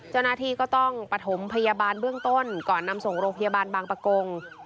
เจ้าหน้าที่ก็ต้องประถมพยาบาลเบื้องต้นก่อนนำส่งโรงพยาบาลบางประกง